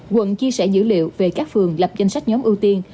quận chia sẻ dữ liệu về các phường lập danh sách nhóm ưu tiên